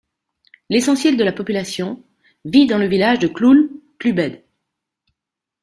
L'essentiel de la population vit dans le village de Kloulklubed.